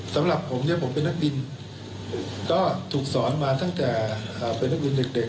สำหรับผมเนี่ยผมเป็นนักบินก็ถูกสอนมาตั้งแต่เป็นนักบินเด็ก